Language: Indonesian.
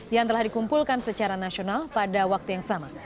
yang telah dikumpulkan secara nasional pada waktu yang sama